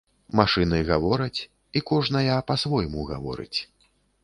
Машыны гавораць, і кожная па-свойму гаворыць.